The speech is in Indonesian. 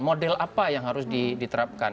model apa yang harus diterapkan